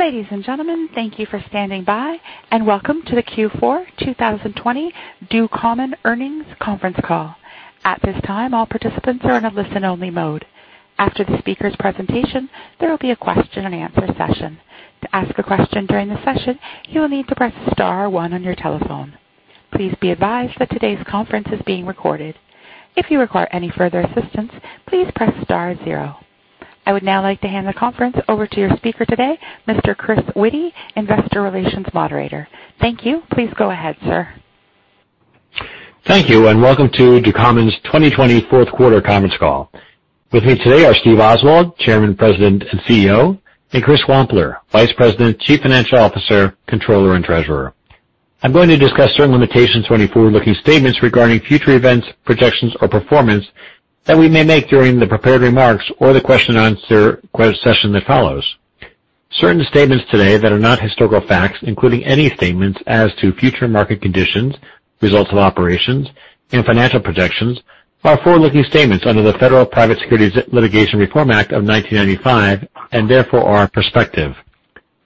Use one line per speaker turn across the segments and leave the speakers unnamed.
Ladies and gentlemen, thank you for standing by, and welcome to the Q4 2020 Ducommun earnings conference call. At this time all the participants are in listen only mode. After the speakers presentation, there will be a question and answer session. To ask a question during the session you will need to press star one on your telephone. Please be advised that today's conference is being recorded. If you require any further assistance please press star zero. Now I would now like to hand the conference over to your speaker today, Mr. Chris Witty, Investor Relations Moderator. Thank you. Please go ahead, sir.
Thank you, and welcome to Ducommun's 2020 fourth quarter conference call. With me today are Steve Oswald, Chairman, President and CEO, and Chris Wampler, Vice President, Chief Financial Officer, Controller, and Treasurer. I'm going to discuss certain limitations on any forward-looking statements regarding future events, projections, or performance that we may make during the prepared remarks or the question and answer session that follows. Certain statements today that are not historical facts, including any statements as to future market conditions, results of operations, and financial projections, are forward-looking statements under the Private Securities Litigation Reform Act of 1995 and therefore are prospective.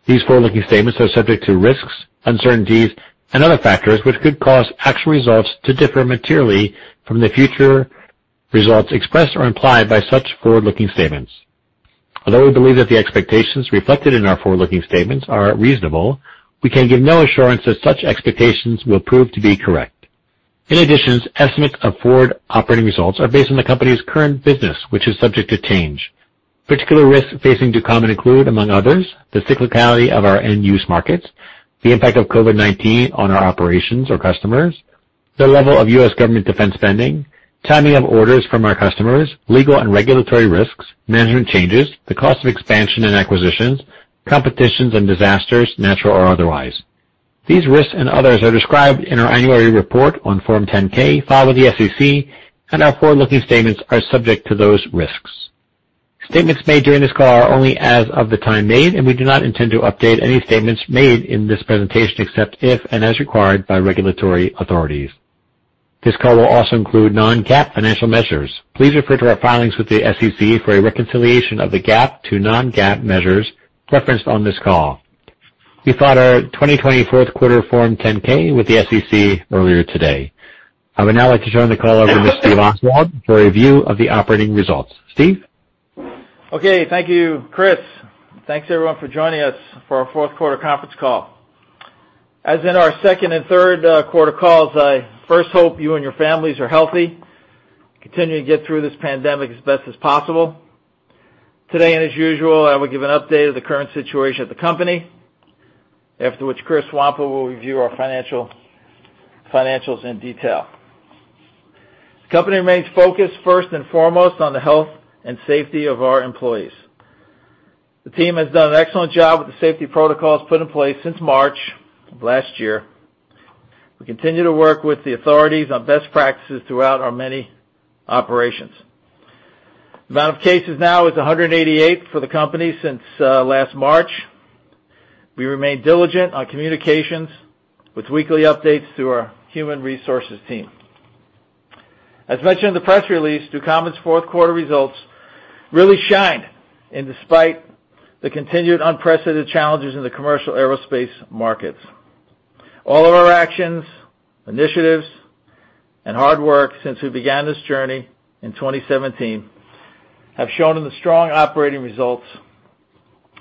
These forward-looking statements are subject to risks, uncertainties, and other factors which could cause actual results to differ materially from the future results expressed or implied by such forward-looking statements. Although we believe that the expectations reflected in our forward-looking statements are reasonable, we can give no assurance that such expectations will prove to be correct. In addition, estimates of forward operating results are based on the company's current business, which is subject to change. Particular risks facing Ducommun include, among others, the cyclicality of our end-use markets, the impact of COVID-19 on our operations or customers, the level of U.S. government defense spending, timing of orders from our customers, legal and regulatory risks, management changes, the cost of expansion and acquisitions, competitions and disasters, natural or otherwise. These risks and others are described in our annual report on Form 10-K filed with the SEC, and our forward-looking statements are subject to those risks. Statements made during this call are only as of the time made, and we do not intend to update any statements made in this presentation, except if and as required by regulatory authorities. This call will also include non-GAAP financial measures. Please refer to our filings with the SEC for a reconciliation of the GAAP to non-GAAP measures referenced on this call. We filed our 2020 fourth quarter Form 10-K with the SEC earlier today. I would now like to turn the call over to Steve Oswald for a review of the operating results. Steve?
Okay. Thank you, Chris. Thanks everyone for joining us for our fourth quarter conference call. As in our second and third quarter calls, I first hope you and your families are healthy, continuing to get through this pandemic as best as possible. Today, and as usual, I will give an update of the current situation of the company, after which Chris Wampler will review our financials in detail. The company remains focused first and foremost on the health and safety of our employees. The team has done an excellent job with the safety protocols put in place since March of last year. We continue to work with the authorities on best practices throughout our many operations. The amount of cases now is 188 for the company since last March. We remain diligent on communications with weekly updates through our human resources team. As mentioned in the press release, Ducommun's fourth quarter results really shined, despite the continued unprecedented challenges in the commercial aerospace markets. All of our actions, initiatives, and hard work since we began this journey in 2017 have shown in the strong operating results,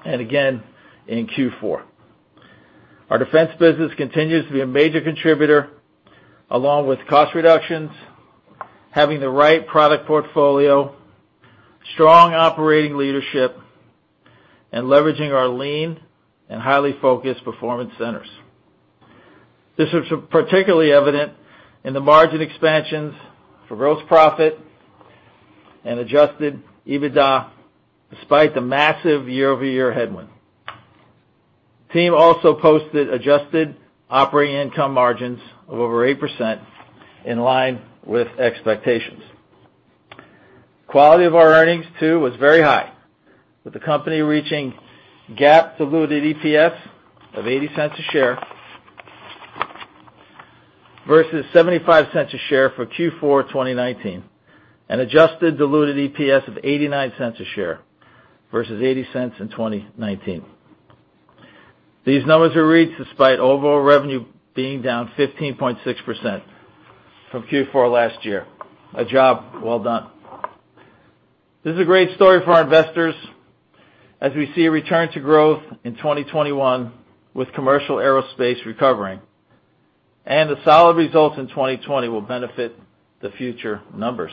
and again in Q4. Our defense business continues to be a major contributor, along with cost reductions, having the right product portfolio, strong operating leadership, and leveraging our lean and highly focused performance centers. This was particularly evident in the margin expansions for gross profit and Adjusted EBITDA, despite the massive year-over-year headwind. The team also posted adjusted operating income margins of over 8%, in line with expectations. Quality of our earnings too was very high, with the company reaching GAAP diluted EPS of $0.80 a share versus $0.75 a share for Q4 2019, and adjusted diluted EPS of $0.89 a share versus $0.80 in 2019. These numbers were reached despite overall revenue being down 15.6% from Q4 last year. A job well done. This is a great story for our investors as we see a return to growth in 2021 with commercial aerospace recovering, and the solid results in 2020 will benefit the future numbers.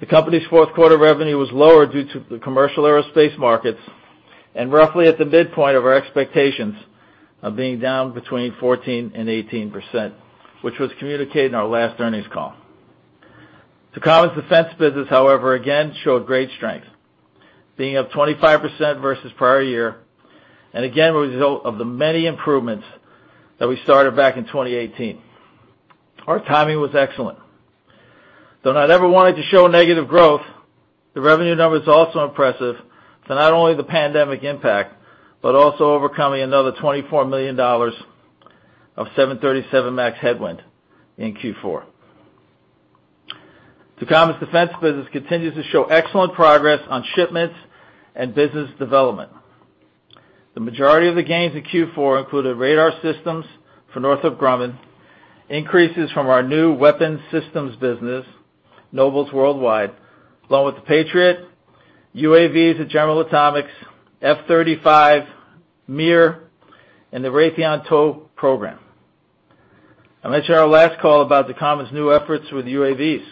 The company's fourth quarter revenue was lower due to the commercial aerospace markets and roughly at the midpoint of our expectations of being down between 14% and 18%, which was communicated in our last earnings call. Ducommun's defense business, however, again showed great strength, being up 25% versus prior year, and again, a result of the many improvements that we started back in 2018. Our timing was excellent. Though I never wanted to show negative growth, the revenue number is also impressive to not only the pandemic impact, but also overcoming another $24 million of 737 MAX headwind in Q4. Ducommun's defense business continues to show excellent progress on shipments and business development. The majority of the gains in Q4 included radar systems for Northrop Grumman, increases from our new weapons systems business, Nobles Worldwide, along with the Patriot, UAVs at General Atomics, F-35, Middle River Aircraft Systems, and the Raytheon TOW program. I mentioned our last call about Ducommun's new efforts with UAVs.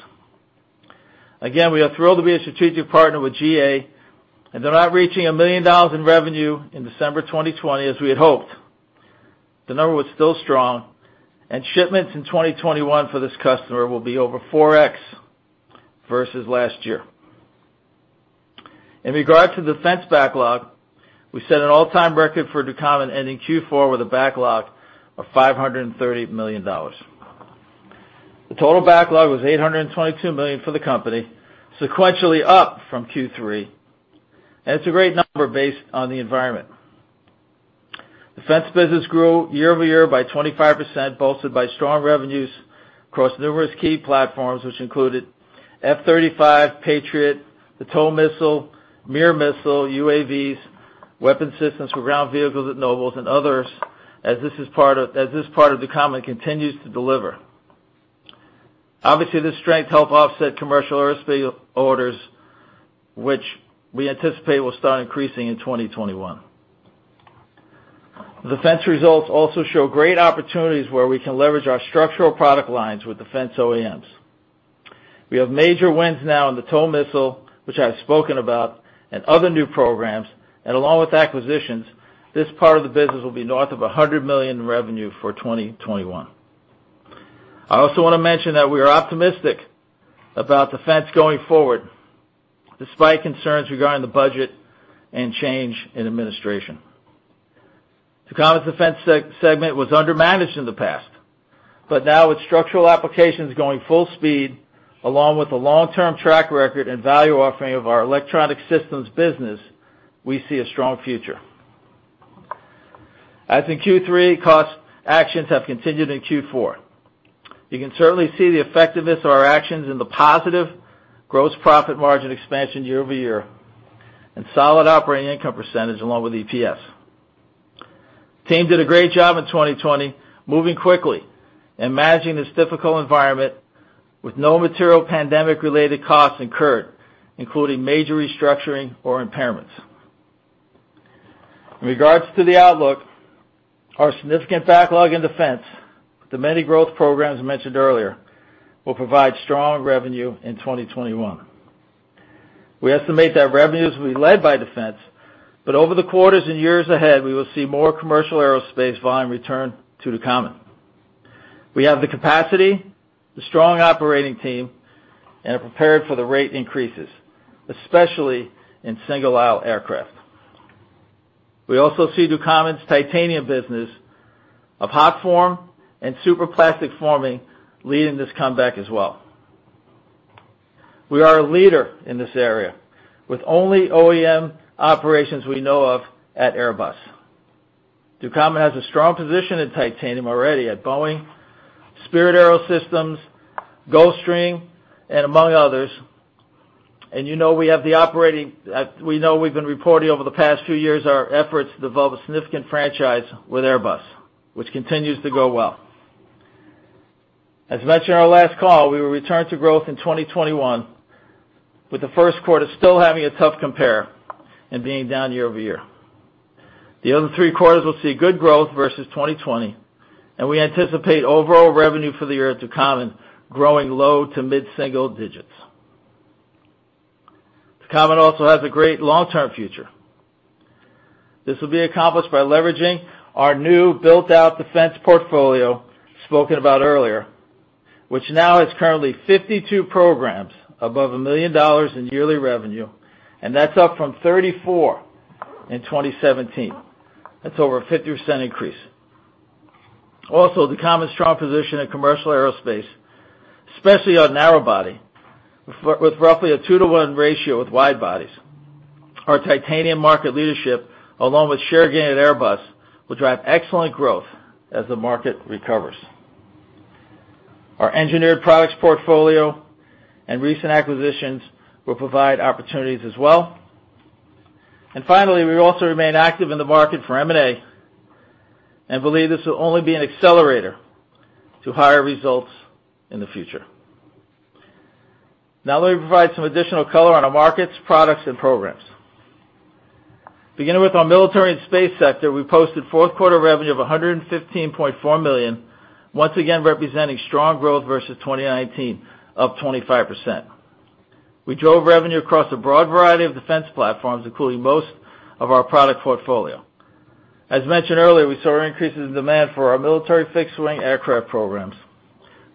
Again, we are thrilled to be a strategic partner with GA, and [inaudible] reaching $1 million in revenue in December 2020, as we had hoped. The number was still strong, and shipments in 2021 for this customer will be over 4x versus last year. In regard to defense backlog, we set an all-time record for Ducommun ending Q4 with a backlog of $530 million. The total backlog was $822 million for the company, sequentially up from Q3. It's a great number based on the environment. Defense business grew year-over-year by 25%, bolstered by strong revenues across numerous key platforms, which included F-35, Patriot, the TOW missile, MIR missile, UAVs, weapon systems for ground vehicles at Nobles, and others, as this part of Ducommun continues to deliver. Obviously, this strength helped offset commercial aerospace orders, which we anticipate will start increasing in 2021. Defense results also show great opportunities where we can leverage our structural product lines with defense OEMs. We have major wins now in the TOW missile, which I've spoken about, and other new programs, and along with acquisitions, this part of the business will be north of $100 million in revenue for 2021. I also want to mention that we are optimistic about defense going forward, despite concerns regarding the budget and change in administration. Ducommun's defense segment was under-managed in the past, but now with structural applications going full speed, along with the long-term track record and value offering of our electronic systems business, we see a strong future. As in Q3, cost actions have continued in Q4. You can certainly see the effectiveness of our actions in the positive gross profit margin expansion year-over-year, and solid operating income percentage along with EPS. Team did a great job in 2020, moving quickly and managing this difficult environment with no material pandemic-related costs incurred, including major restructuring or impairments. In regards to the outlook, our significant backlog in defense with the many growth programs mentioned earlier will provide strong revenue in 2021. We estimate that revenues will be led by defense, but over the quarters and years ahead, we will see more commercial aerospace volume return to Ducommun. We have the capacity, the strong operating team, and are prepared for the rate increases, especially in single-aisle aircraft. We also see Ducommun's titanium business of hot form and superplastic forming leading this comeback as well. We are a leader in this area with only OEM operations we know of at Airbus. Ducommun has a strong position in titanium already at Boeing, Spirit AeroSystems, Gulfstream, and among others. We know we've been reporting over the past few years our efforts to develop a significant franchise with Airbus, which continues to go well. As mentioned in our last call, we will return to growth in 2021, with the first quarter still having a tough compare and being down year-over-year. The other three quarters will see good growth versus 2020, and we anticipate overall revenue for the year at Ducommun growing low-to-mid single digits. Ducommun also has a great long-term future. This will be accomplished by leveraging our new built-out defense portfolio spoken about earlier, which now has currently 52 programs above $1 million in yearly revenue, and that's up from 34 in 2017. That's over a 50% increase. Also, Ducommun's strong position in commercial aerospace, especially on narrow body, with roughly a 2:1 with wide bodies. Our titanium market leadership, along with share gain at Airbus, will drive excellent growth as the market recovers. Our engineered products portfolio and recent acquisitions will provide opportunities as well. Finally, we also remain active in the market for M&A and believe this will only be an accelerator to higher results in the future. Let me provide some additional color on our markets, products, and programs. Beginning with our military and space sector, we posted fourth quarter revenue of $115.4 million, once again representing strong growth versus 2019 of 25%. We drove revenue across a broad variety of defense platforms, including most of our product portfolio. As mentioned earlier, we saw increases in demand for our military fixed-wing aircraft programs,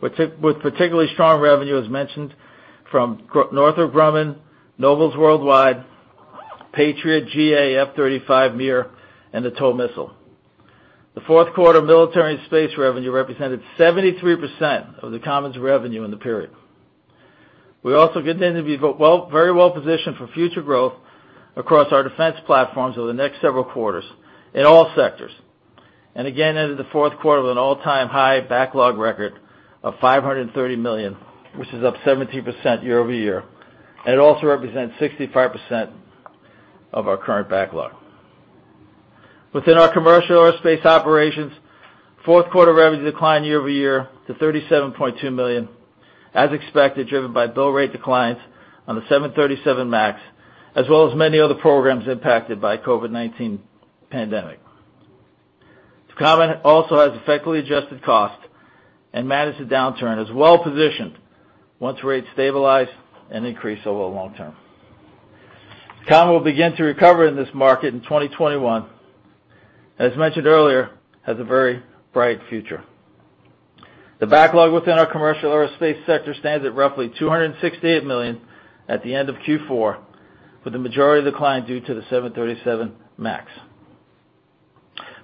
with particularly strong revenue as mentioned from Northrop Grumman, Nobles Worldwide, Patriot, GA, F-35, MIR, and the TOW missile. The fourth quarter military and space revenue represented 73% of Ducommun's revenue in the period. We also continue to be very well positioned for future growth across our defense platforms over the next several quarters in all sectors. Again, ended the fourth quarter with an all-time high backlog record of $530 million, which is up 17% year-over-year, and it also represents 65% of our current backlog. Within our commercial aerospace operations, fourth quarter revenue declined year-over-year to $37.2 million, as expected, driven by bill rate declines on the 737 MAX, as well as many other programs impacted by COVID-19 pandemic. Ducommun also has effectively adjusted cost and managed the downturn, is well-positioned once rates stabilize and increase over the long term. Ducommun will begin to recover in this market in 2021, as mentioned earlier, has a very bright future. The backlog within our commercial aerospace sector stands at roughly $268 million at the end of Q4, with the majority of the decline due to the 737 MAX.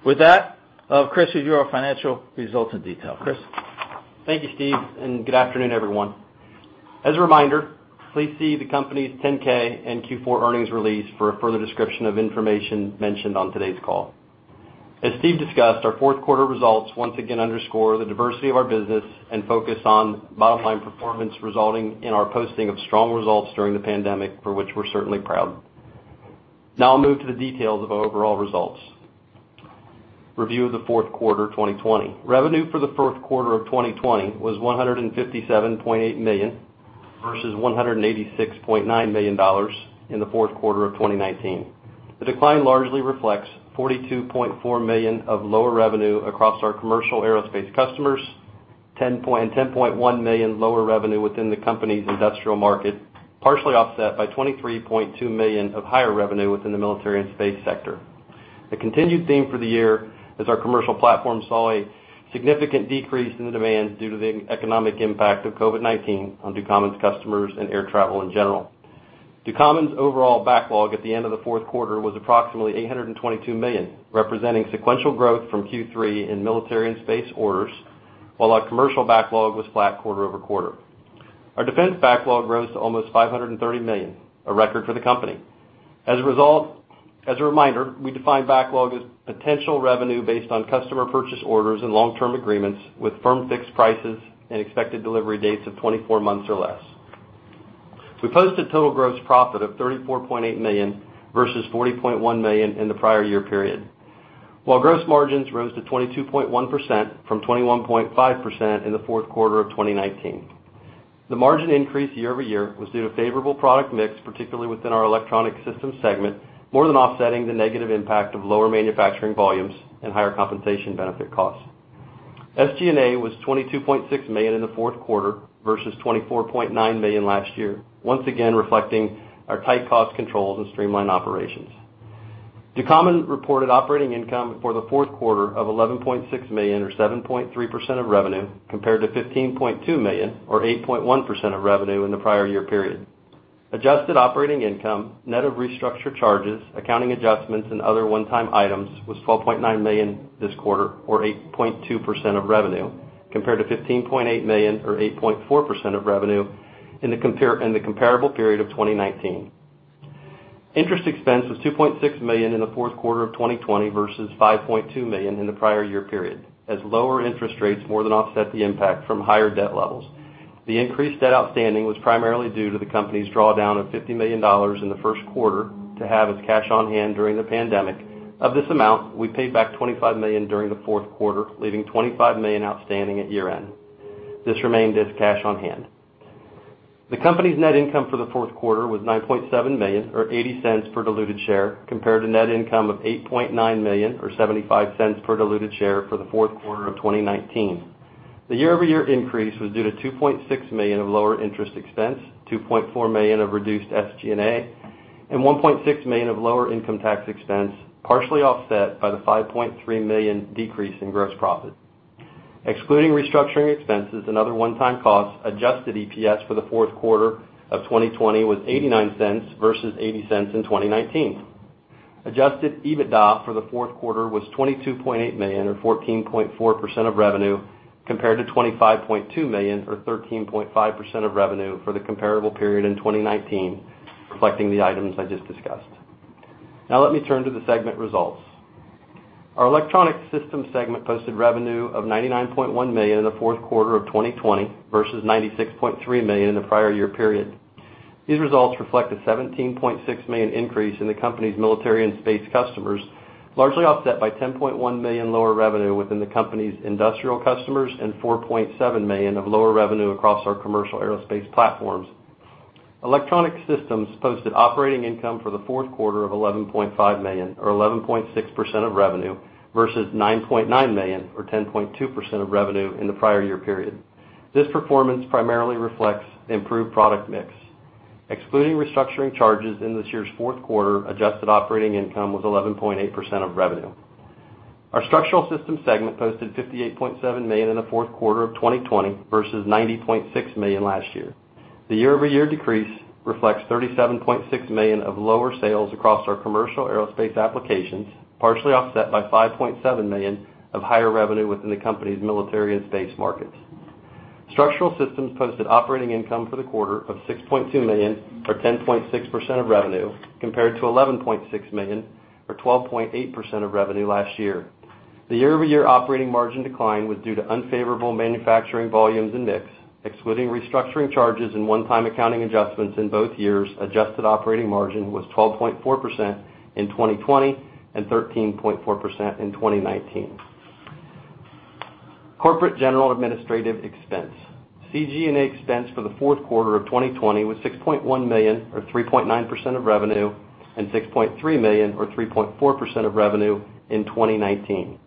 With that, I'll have Chris review our financial results in detail. Chris?
Thank you, Steve, and good afternoon, everyone. As a reminder, please see the company's 10-K and Q4 earnings release for a further description of information mentioned on today's call. As Steve discussed, our fourth quarter results once again underscore the diversity of our business and focus on bottom-line performance, resulting in our posting of strong results during the pandemic, for which we're certainly proud. Now I'll move to the details of overall results. Review of the fourth quarter 2020. Revenue for the fourth quarter of 2020 was $157.8 million, versus $186.9 million in the fourth quarter of 2019. The decline largely reflects $42.4 million of lower revenue across our commercial aerospace customers, $10.1 million lower revenue within the company's industrial market, partially offset by $23.2 million of higher revenue within the military and space sector. The continued theme for the year, as our commercial platform saw a significant decrease in the demand due to the economic impact of COVID-19 on Ducommun's customers and air travel in general. Ducommun's overall backlog at the end of the fourth quarter was approximately $822 million, representing sequential growth from Q3 in military and space orders, while our commercial backlog was flat quarter-over-quarter. Our defense backlog rose to almost $530 million, a record for the company. As a reminder, we define backlog as potential revenue based on customer purchase orders and long-term agreements with firm fixed prices and expected delivery dates of 24 months or less. We posted total gross profit of $34.8 million versus $40.1 million in the prior year period, while gross margins rose to 22.1% from 21.5% in the fourth quarter of 2019. The margin increase year-over-year was due to favorable product mix, particularly within our Electronic Systems segment, more than offsetting the negative impact of lower manufacturing volumes and higher compensation benefit costs. SG&A was $22.6 million in the fourth quarter versus $24.9 million last year, once again reflecting our tight cost controls and streamlined operations. Ducommun reported operating income for the fourth quarter of $11.6 million, or 7.3% of revenue, compared to $15.2 million, or 8.1% of revenue in the prior year period. Adjusted operating income, net of restructure charges, accounting adjustments, and other one-time items was $12.9 million this quarter, or 8.2% of revenue, compared to $15.8 million or 8.4% of revenue in the comparable period of 2019. Interest expense was $2.6 million in the fourth quarter of 2020 versus $5.2 million in the prior year period, as lower interest rates more than offset the impact from higher debt levels. The increased debt outstanding was primarily due to the company's drawdown of $50 million in the first quarter to have as cash on hand during the pandemic. Of this amount, we paid back $25 million during the fourth quarter, leaving $25 million outstanding at year-end. This remained as cash on hand. The company's net income for the fourth quarter was $9.7 million, or $0.80 per diluted share, compared to net income of $8.9 million or $0.75 per diluted share for the fourth quarter of 2019. The year-over-year increase was due to $2.6 million of lower interest expense, $2.4 million of reduced SG&A, and $1.6 million of lower income tax expense, partially offset by the $5.3 million decrease in gross profit. Excluding restructuring expenses and other one-time costs, adjusted EPS for the fourth quarter of 2020 was $0.89 versus $0.80 in 2019. Adjusted EBITDA for the fourth quarter was $22.8 million or 14.4% of revenue, compared to $25.2 million or 13.5% of revenue for the comparable period in 2019, reflecting the items I just discussed. Now let me turn to the segment results. Our Electronic Systems segment posted revenue of $99.1 million in the fourth quarter of 2020 versus $96.3 million in the prior year period. These results reflect a $17.6 million increase in the company's military and space customers, largely offset by $10.1 million lower revenue within the company's industrial customers and $4.7 million of lower revenue across our commercial aerospace platforms. Electronic Systems posted operating income for the fourth quarter of $11.5 million, or 11.6% of revenue, versus $9.9 million or 10.2% of revenue in the prior year period. This performance primarily reflects improved product mix. Excluding restructuring charges in this year's fourth quarter, adjusted operating income was 11.8% of revenue. Our Structural Systems segment posted $58.7 million in the fourth quarter of 2020 versus $90.6 million last year. The year-over-year decrease reflects $37.6 million of lower sales across our commercial aerospace applications, partially offset by $5.7 million of higher revenue within the company's military and space markets. Structural Systems posted operating income for the quarter of $6.2 million, or 10.6% of revenue, compared to $11.6 million or 12.8% of revenue last year. The year-over-year operating margin decline was due to unfavorable manufacturing volumes and mix, excluding restructuring charges and one-time accounting adjustments in both years, adjusted operating margin was 12.4% in 2020 and 13.4% in 2019. Corporate General Administrative expense. CG&A expense for the fourth quarter of 2020 was $6.1 million or 3.9% of revenue, and $6.3 million or 3.4% of revenue in 2019.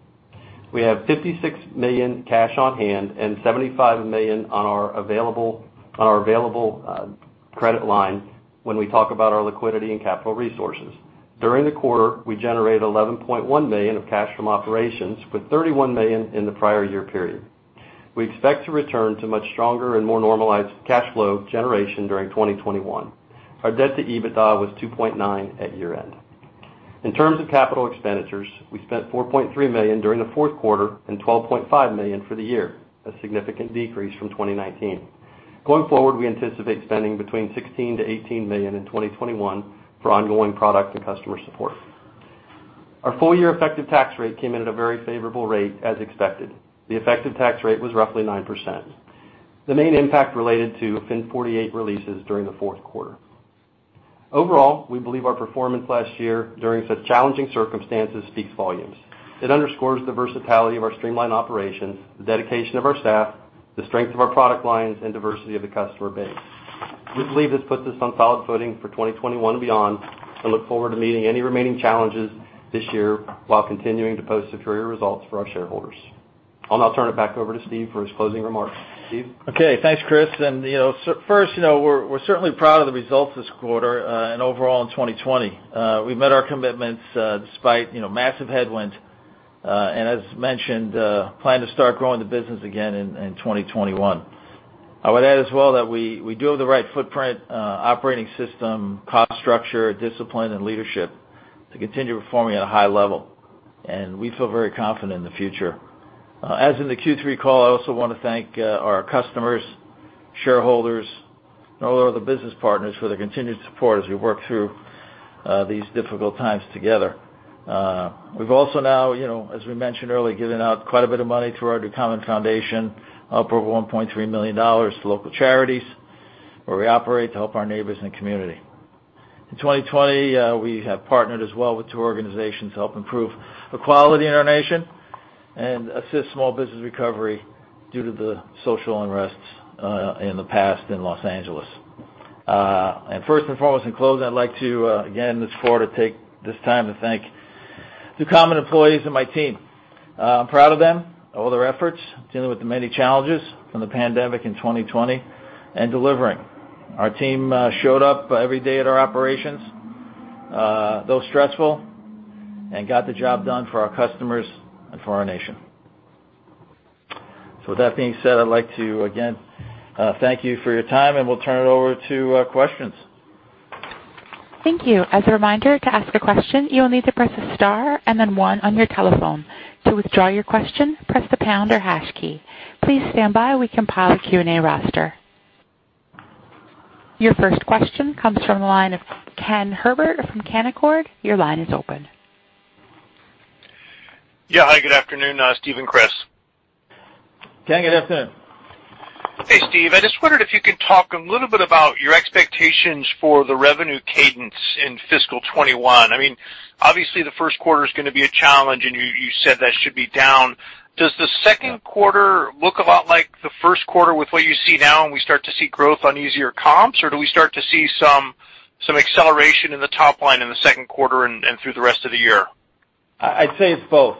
We have $56 million cash on hand and $75 million on our available credit line when we talk about our liquidity and capital resources. During the quarter, we generated $11.1 million of cash from operations, with $31 million in the prior year period. We expect to return to much stronger and more normalized cash flow generation during 2021. Our debt to EBITDA was 2.9 at year-end. In terms of capital expenditures, we spent $4.3 million during the fourth quarter and $12.5 million for the year, a significant decrease from 2019. Going forward, we anticipate spending between $16 million-$18 million in 2021 for ongoing product and customer support. Our full-year effective tax rate came in at a very favorable rate as expected. The effective tax rate was roughly 9%. The main impact related to FIN 48 releases during the fourth quarter. Overall, we believe our performance last year during such challenging circumstances speaks volumes. It underscores the versatility of our streamlined operations, the dedication of our staff, the strength of our product lines, and diversity of the customer base. We believe this puts us on solid footing for 2021 and beyond and look forward to meeting any remaining challenges this year while continuing to post superior results for our shareholders. I'll now turn it back over to Steve for his closing remarks. Steve?
Okay. Thanks, Chris. First, we're certainly proud of the results this quarter and overall in 2020. We met our commitments despite massive headwinds, and as mentioned, plan to start growing the business again in 2021. I would add as well that we do have the right footprint, operating system, cost structure, discipline, and leadership to continue performing at a high level, and we feel very confident in the future. As in the Q3 call, I also want to thank our customers, shareholders, and all of the business partners for their continued support as we work through these difficult times together. We've also now, as we mentioned earlier, given out quite a bit of money through our Ducommun Foundation, up over $1.3 million to local charities where we operate to help our neighbors and community. In 2020, we have partnered as well with two organizations to help improve equality in our nation and assist small business recovery due to the social unrest in the past in Los Angeles. First and foremost, in closing, I'd like to, again, this quarter, take this time to thank Ducommun employees and my team. I'm proud of them, all their efforts dealing with the many challenges from the pandemic in 2020 and delivering. Our team showed up every day at our operations, though stressful, and got the job done for our customers and for our nation. With that being said, I'd like to, again, thank you for your time, and we'll turn it over to questions.
Thank you. As a reminder, to ask a question, you will need to press star and then one on your telephone. To withdraw your question, press the pound or hash key. Please stand by while we compile a Q&A roster. Your first question comes from the line of Ken Herbert from Canaccord. Your line is open.
Yeah. Hi, good afternoon, Steve and Chris.
Ken, good afternoon.
Hey, Steve. I just wondered if you could talk a little bit about your expectations for the revenue cadence in fiscal 2021. Obviously, the first quarter is going to be a challenge, and you said that should be down. Does the second quarter look a lot like the first quarter with what you see now and we start to see growth on easier comps, or do we start to see some acceleration in the top line in the second quarter and through the rest of the year?
I'd say it's both.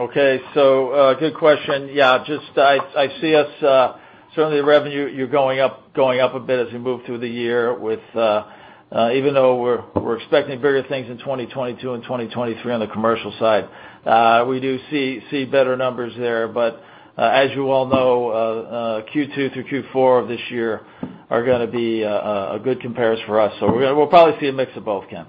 Okay, good question. Yeah, I see us, certainly the revenue, you're going up a bit as we move through the year. Even though we're expecting bigger things in 2022 and 2023 on the commercial side. We do see better numbers there. As you all know, Q2 through Q4 of this year are going to be a good comparison for us. We'll probably see a mix of both, Ken.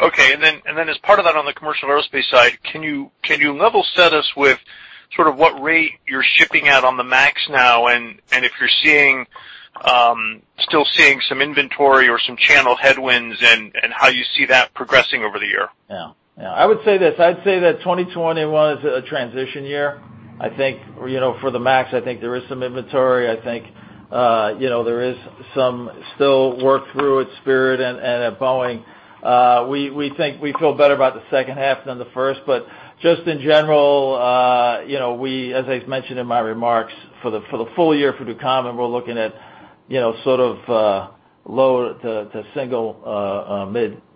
Okay. As part of that on the commercial aerospace side, can you level set us with sort of what rate you're shipping at on the 737 MAX now, and if you're still seeing some inventory or some channel headwinds, and how you see that progressing over the year?
Yeah. I would say this. I'd say that 2020 was a transition year. I think for the 737 MAX, I think there is some inventory. I think there is some still work through at Spirit and at Boeing. We feel better about the second half than the first. Just in general, as I mentioned in my remarks, for the full year for Ducommun, we're looking at sort of low to single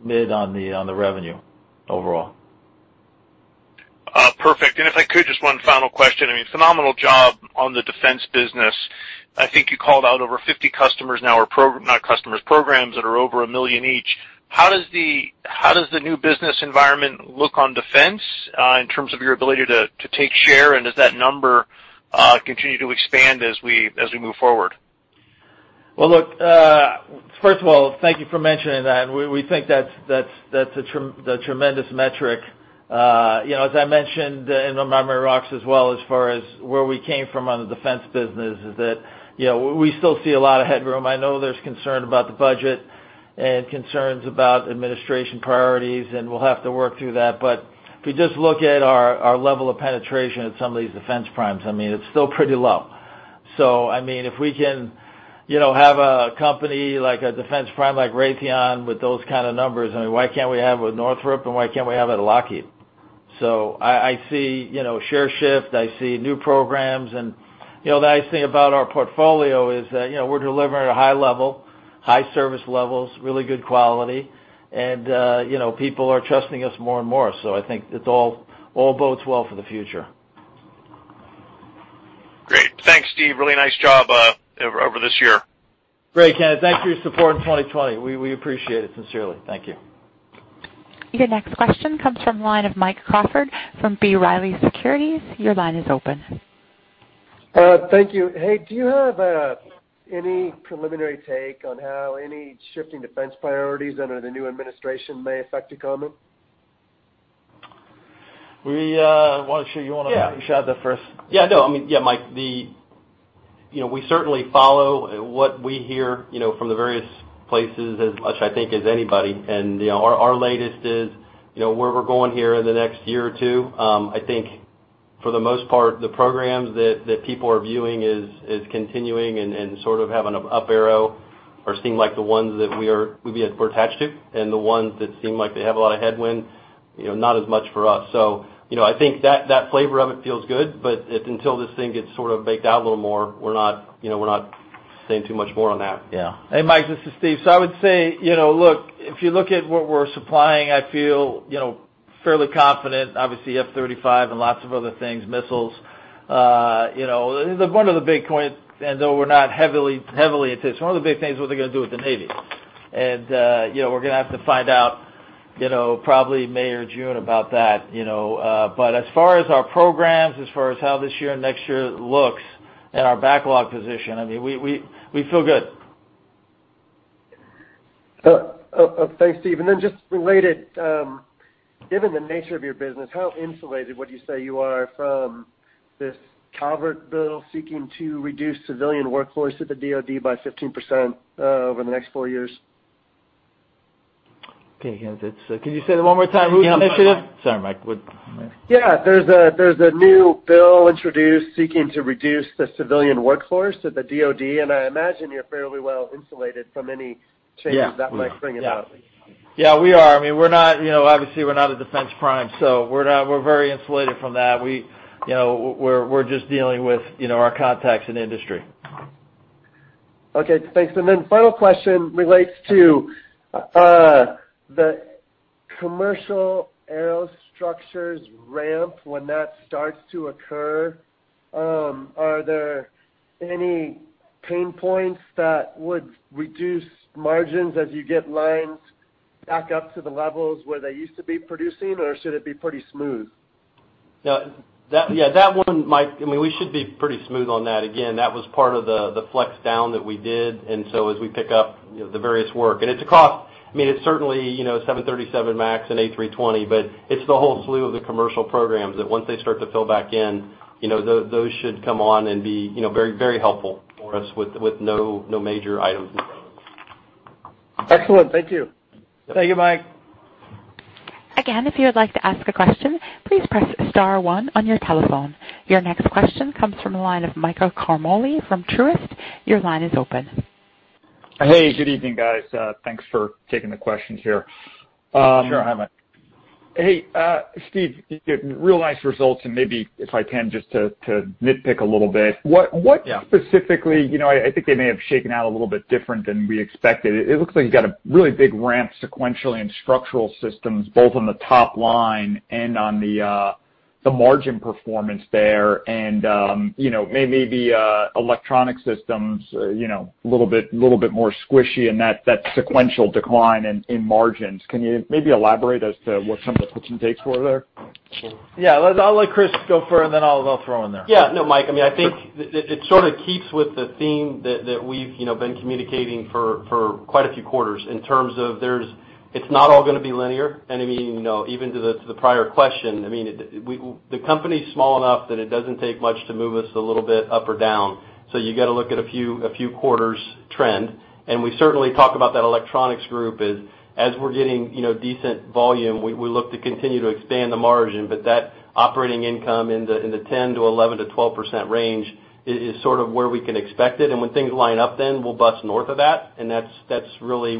mid on the revenue overall.
Perfect. If I could, just one final question. Phenomenal job on the defense business. I think you called out over 50 customers now, not customers, programs that are over a million each. How does the new business environment look on defense in terms of your ability to take share, does that number continue to expand as we move forward?
Well, look, first of all, thank you for mentioning that. We think that's a tremendous metric. As I mentioned in my remarks as well, as far as where we came from on the defense business, is that we still see a lot of headroom. I know there's concern about the budget and concerns about administration priorities, and we'll have to work through that but if you just look at our level of penetration at some of these defense primes, it's still pretty low. If we can have a company like a defense prime, like Raytheon, with those kind of numbers, why can't we have with Northrop and why can't we have at Lockheed? I see share shift, I see new programs. The nice thing about our portfolio is that we're delivering at a high level, high service levels, really good quality, and people are trusting us more and more. I think it all bodes well for the future.
Great. Thanks, Steve. Really nice job over this year.
Great, Ken. Thank you for your support in 2020. We appreciate it sincerely. Thank you.
Your next question comes from the line of Mike Crawford from B. Riley Securities. Your line is open.
Thank you. Hey, do you have any preliminary take on how any shifting defense priorities under the new administration may affect Ducommun?
Well, sure.
Yeah
you sure the first?
Yeah, no. Mike, we certainly follow what we hear from the various places as much, I think, as anybody. Our latest is where we're going here in the next year or two. I think, for the most part, the programs that people are viewing as continuing and sort of have an up arrow or seem like the ones that we're attached to, and the ones that seem like they have a lot of headwind, not as much for us. I think that flavor of it feels good, but until this thing gets sort of baked out a little more, we're not saying too much more on that.
Yeah. Hey, Mike, this is Steve. I would say, if you look at what we're supplying, I feel fairly confident, obviously, F-35 and lots of other things, missiles. One of the big concerns, and though we're not heavily into this, one of the big things, what they're going to do with the Navy. We're going to have to find out probably May or June about that. As far as our programs, as far as how this year and next year looks and our backlog position, we feel good.
Thanks, Steve. Just related, given the nature of your business, how insulated would you say you are from this Calvert Bill seeking to reduce civilian workforce at the DoD by 15% over the next four years?
Okay, Ken, can you say that one more time? Which initiative?
Yeah, Mike. Sorry, Mike.
Yeah. There's a new bill introduced seeking to reduce the civilian workforce at the DoD, and I imagine you're fairly well insulated from any changes.
Yeah
that might bring about.
Yeah, we are. Obviously, we're not a defense prime, so we're very insulated from that. We're just dealing with our contacts in the industry.
Okay, thanks. Final question relates to the commercial aerostructures ramp when that starts to occur. Are there any pain points that would reduce margins as you get lines back up to the levels where they used to be producing, or should it be pretty smooth?
Yeah, that one, Mike, we should be pretty smooth on that. That was part of the flex down that we did, as we pick up the various work. It's across, it's certainly 737 MAX and A320, it's the whole slew of the commercial programs that once they start to fill back in, those should come on and be very helpful for us with no major items.
Excellent. Thank you.
Thank you, Mike.
Again if you would like to ask a question please press star one from your telephone. Your next question comes from the line of Michael Ciarmoli from Truist.
Hey, good evening, guys. Thanks for taking the questions here.
Sure. Hi, Mike.
Hey, Steve, real nice results, and maybe if I can just to nitpick a little bit.
Yeah.
What specifically, I think they may have shaken out a little bit different than we expected. It looks like you got a really big ramp sequentially in Structural Systems, both on the top line and on the margin performance there. Maybe the Electronic Systems, a little bit more squishy in that sequential decline in margins. Can you maybe elaborate as to what some of the gives and takes were there?
Yeah, I'll let Chris go first, then I'll throw in there.
No, Mike, I think it sort of keeps with the theme that we've been communicating for quite a few quarters in terms of it's not all going to be linear. Even to the prior question, the company's small enough that it doesn't take much to move us a little bit up or down. You got to look at a few quarters trend. We certainly talk about that electronics group as we're getting decent volume, we look to continue to expand the margin. That operating income in the 10%-11%-12% range is sort of where we can expect it. When things line up, then we'll bust north of that, and that's really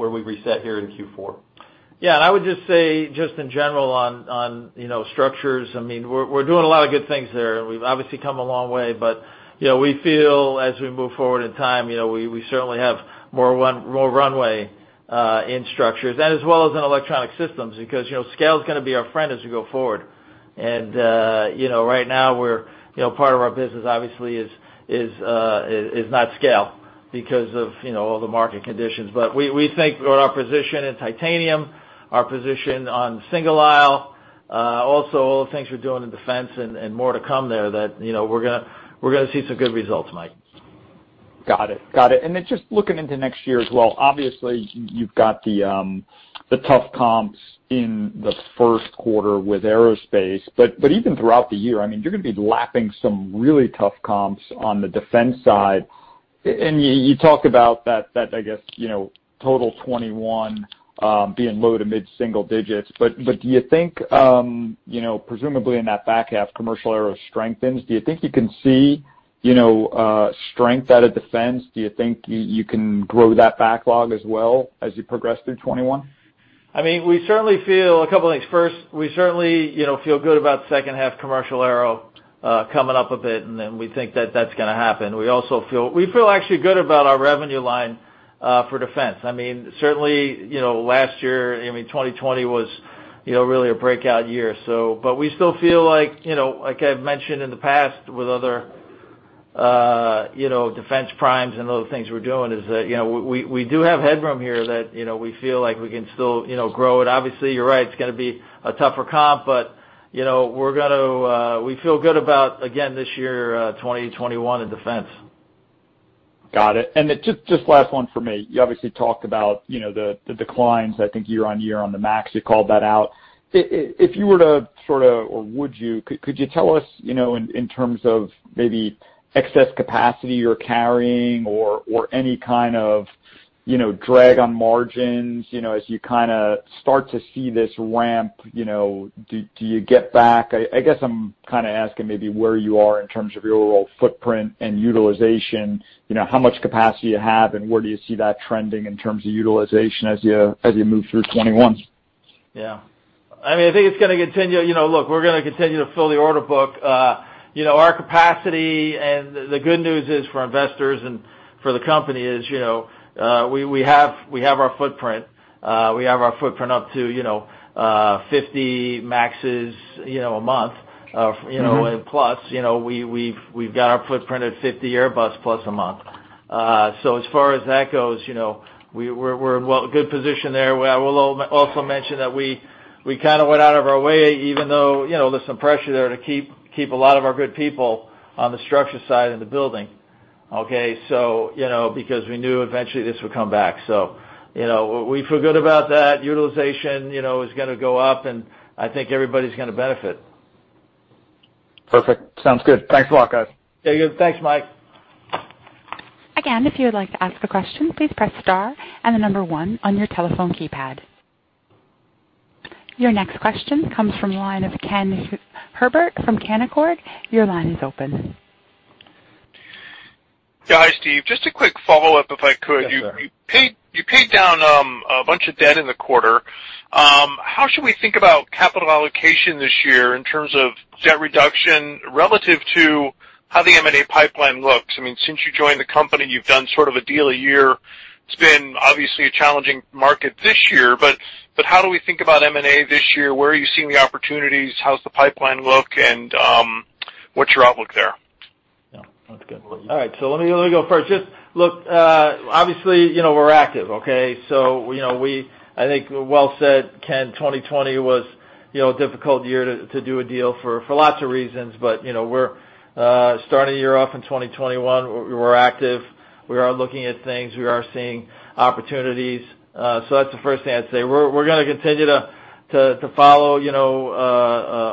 where we reset here in Q4.
I would just say, just in general on structures, we're doing a lot of good things there, and we've obviously come a long way. We feel as we move forward in time, we certainly have more runway in structures and as well as in Electronic Systems, because scale is going to be our friend as we go forward. Right now, part of our business, obviously, is not scale because of all the market conditions. We think our position in titanium, our position on single aisle, also all the things you're doing in defense and more to come there that we're going to see some good results, Mike.
Got it. Then just looking into next year as well, obviously, you've got the tough comps in the first quarter with aerospace. Even throughout the year, you're going to be lapping some really tough comps on the defense side. You talk about that, I guess, total 2021 being low to mid-single digits, but do you think, presumably in that back half, commercial aero strengthens, do you think you can see strength out of defense? Do you think you can grow that backlog as well as you progress through 2021?
A couple of things. First, we certainly feel good about second half commercial aero coming up a bit, then we think that's going to happen. We feel actually good about our revenue line for defense. Certainly, last year, 2020 was really a breakout year. We still feel like I've mentioned in the past with other defense primes and other things we're doing, is that we do have headroom here that we feel like we can still grow it. Obviously, you're right, it's going to be a tougher comp, we feel good about, again, this year, 2021 in defense.
Got it. Just last one from me. You obviously talked about the declines, I think year-over-year on the 737 MAX, you called that out. If you were to sort of, or would you, could you tell us in terms of maybe excess capacity you're carrying or any kind of drag on margins, as you start to see this ramp, do you get back? I guess I'm kind of asking maybe where you are in terms of your overall footprint and utilization, how much capacity you have, and where do you see that trending in terms of utilization as you move through 2021?
Yeah. I think it's going to continue. Look, we're going to continue to fill the order book. Our capacity and the good news is for investors and for the company is we have our footprint up to 50 737 MAXs a month. Plus, we've got our footprint at 50 Airbus plus a month. As far as that goes, we're in a good position there. I will also mention that we kind of went out of our way, even though there's some pressure there to keep a lot of our good people on the structure side in the building, okay, because we knew eventually this would come back. We feel good about that. Utilization is going to go up, and I think everybody's going to benefit.
Perfect. Sounds good. Thanks a lot, guys.
Very good. Thanks, Mike.
Again, if you would like to ask a question, please press star and the number one on your telephone keypad. Your next question comes from the line of Ken Herbert from Canaccord. Your line is open.
Yeah. Hi, Steve. Just a quick follow-up, if I could.
Yes, sir.
You paid down a bunch of debt in the quarter. How should we think about capital allocation this year in terms of debt reduction relative to how the M&A pipeline looks? Since you joined the company, you've done sort of a deal a year. It's been obviously a challenging market this year, but how do we think about M&A this year? Where are you seeing the opportunities? How's the pipeline look, and what's your outlook there?
Yeah, that's good. All right. Let me go first. Just look, obviously, we're active, okay? I think well said, Ken, 2020 was a difficult year to do a deal for lots of reasons. We're starting a year off in 2021. We're active. We are looking at things. We are seeing opportunities. That's the first thing I'd say. We're going to continue to follow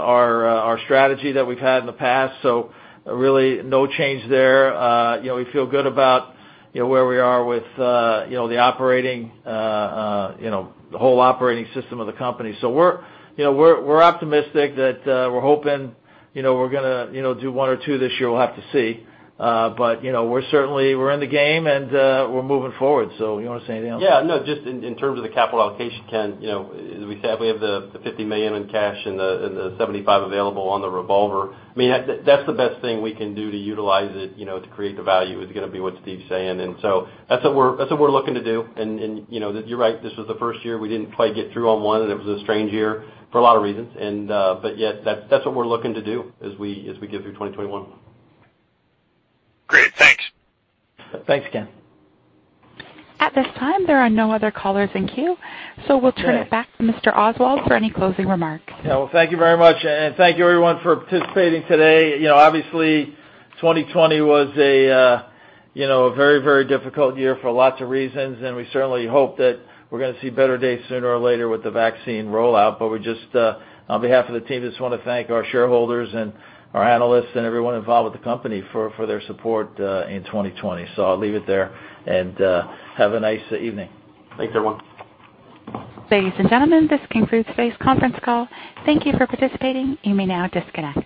our strategy that we've had in the past. Really no change there. We feel good about where we are with the whole operating system of the company. We're optimistic that we're hoping we're going to do one or two this year. We'll have to see. We're in the game, and we're moving forward. You want to say anything else?
Yeah. No, just in terms of the capital allocation, Ken, as we said, we have the $50 million in cash and the $75 million available on the revolver. That's the best thing we can do to utilize it to create the value is going to be what Steve's saying. That's what we're looking to do, and you're right, this was the first year we didn't quite get through on one, and it was a strange year for a lot of reasons. Yet, that's what we're looking to do as we get through 2021.
Great. Thanks.
Thanks, Ken.
At this time, there are no other callers in queue. We'll turn it back to Mr. Oswald for any closing remarks.
Well, thank you very much, and thank you everyone for participating today. Obviously, 2020 was a very difficult year for lots of reasons, and we certainly hope that we're going to see better days sooner or later with the vaccine rollout. On behalf of the team, I just want to thank our shareholders and our analysts and everyone involved with the company for their support in 2020. I'll leave it there, and have a nice evening.
Thanks, everyone.
Ladies and gentlemen, this concludes today's conference call. Thank you for participating. You may now disconnect.